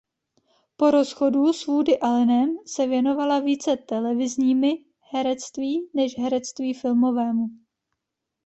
Po rozchodu s Woody Allenem se věnovala více televizními herectví než herectví filmovému.